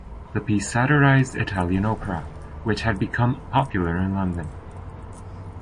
The piece satirised Italian opera, which had become popular in London.